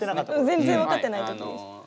全然分かってない時です。